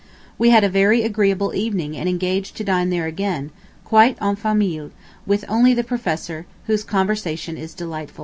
We had a very agreeable evening and engaged to dine there again quite en famille, with only the professor, whose conversation is delightful.